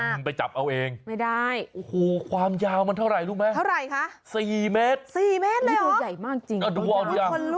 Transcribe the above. นี้โดยใหญ่มากจริง